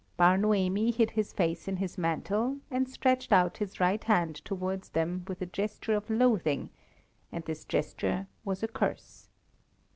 Bar Noemi hid his face in his mantle, and stretched out his right hand towards them with a gesture of loathing, and this gesture was a curse.